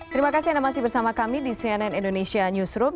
terima kasih anda masih bersama kami di cnn indonesia newsroom